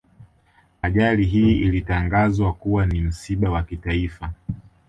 Ajali hii ilitangazwa kuwa ni msiba wa kitaifa